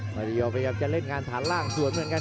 มาริโอพยายามจะเล่นงานฐานล่างสวนเหมือนกัน